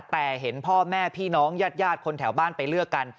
แต่เห็นพ่อแม่พี่น้องญาติคนแถวบ้านไปเลือกกัน